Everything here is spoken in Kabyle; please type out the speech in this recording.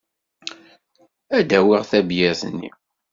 Ad d-awiɣ tabyirt-nni.